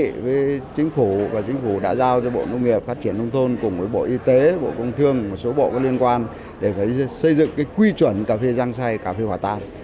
thế chính phủ và chính phủ đã giao cho bộ nông nghiệp phát triển nông thôn cùng với bộ y tế bộ công thương một số bộ có liên quan để phải xây dựng cái quy chuẩn cà phê giang say cà phê hỏa tảng